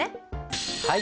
はい。